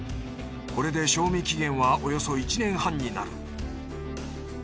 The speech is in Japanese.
これで賞味期限はおよそ１年半になる。